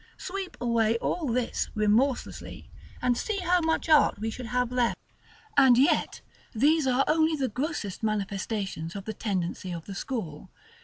Sweep away all this, remorselessly, and see how much art we should have left. § LX. And yet these are only the grossest manifestations of the tendency of the school.